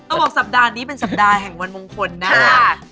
ต้องบอกสวัสดานี้เป็นสวัสดาแห่งวันมงคลโฮลาแซ่บ